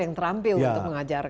yang terampil untuk mengajarkan